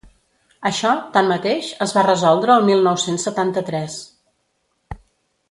Això, tanmateix, es va resoldre el mil nou-cents setanta-tres.